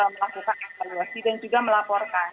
melakukan evaluasi dan juga melaporkan